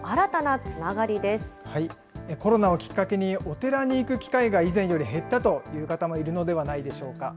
コロナをきっかけに、お寺に行く機会が以前より減ったという方もいるのではないでしょうか。